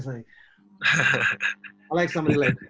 saya kayak seseorang yang